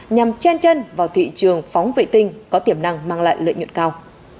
nhằm chen chân vào thị trường phóng vệ tinh có tiềm năng mang lại lợi nhuận cao